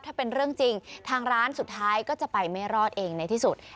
ถ้าเป็นเรื่องจริงทางร้านสุดท้ายก็จะไปไม่รอดเองในที่สุด